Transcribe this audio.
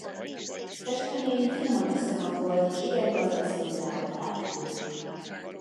Festményein finoman összehangolt és igen gazdag színvilágot láthatunk.